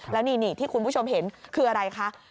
แล้วนี่ที่คุณผู้ชมเห็นคืออะไรคะ